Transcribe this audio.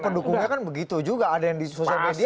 pendukungnya kan begitu juga ada yang di sosial media